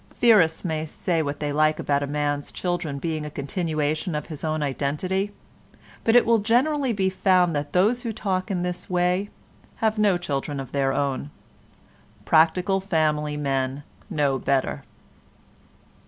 Theorists may say what they like about a man's children being a continuation of his own identity, but it will generally be found that those who talk in this way have no children of their own. Practical family men know better.